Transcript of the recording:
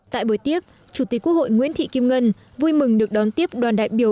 tại buổi tiếp chủ tịch quốc hội nguyễn thị kim ngân vui mừng được đón tiếp đoàn đại biểu